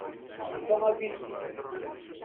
Yelsa abidi.